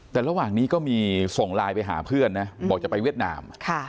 แต่ระหว่างนี้ก็มีส่งไลน์ไปหาเพื่อนนะบอกจะไปเวียดนาม